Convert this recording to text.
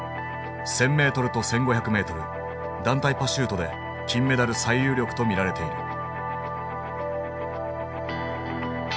１，０００ｍと１，５００ｍ団体パシュートで金メダル最有力と見られている。